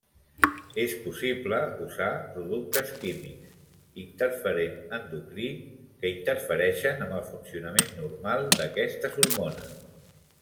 És possible usar productes químics, interferent endocrí, que interfereixen amb el funcionament normal d'aquestes hormones.